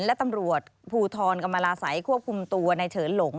และตำรวจภูทรกรรมราศัยควบคุมตัวในเฉินหลง